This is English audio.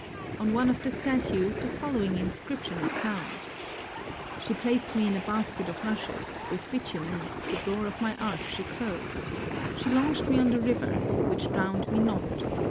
On one of the statues the following inscription is found: "She placed me in a basket of rushes, with bitumen, the door of my ark she closed. She launched me on the river, which drowned me not.